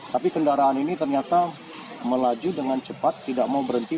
tapi kendaraan ini ternyata melaju dengan cepat tidak mau berhenti